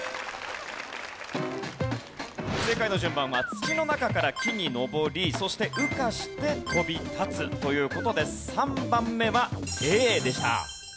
正解の順番は土の中から木に登りそして羽化して飛び立つという事で３番目はＡでした。